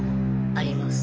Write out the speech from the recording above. あります。